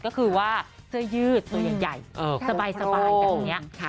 หรือว่าเสื้อยืดตัวใหญ่สบายกันอย่างนี้